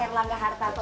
pak erlang jahartarto